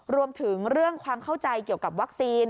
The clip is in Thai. รวมถึงเรื่องความเข้าใจเกี่ยวกับวัคซีน